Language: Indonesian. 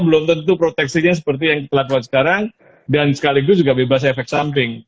belum tentu proteksinya seperti yang kita lakukan sekarang dan sekaligus juga bebas efek samping